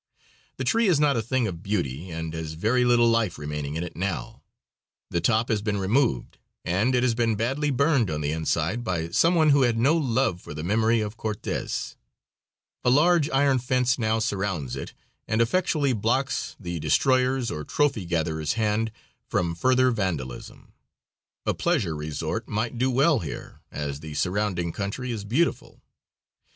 The tree is not a thing of beauty and has very little life remaining in it now; the top has been removed, and it has been badly burned on the inside by some one who had no love for the memory of Cortes. A large iron fence now surrounds it, and effectually blocks the destroyers or trophy gatherer's hand from further vandalism. A pleasure resort might do well here, as the surrounding country is beautiful.